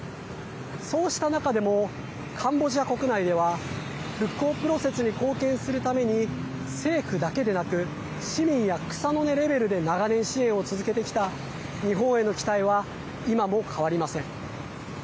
そうした中でもカンボジア国内では復興プロセスに貢献するために政府だけでなく市民や草の根レベルで長年支援を続けてきた日本への期待は今も変わりません。